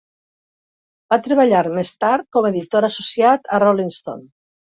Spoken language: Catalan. Va treballar més tard com editor associat a "Rolling Stone".